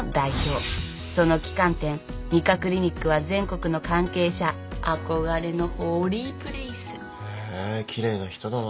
その旗艦店ＭＩＫＡクリニックは全国の関係者憧れのホーリープレイス。へ奇麗な人だな。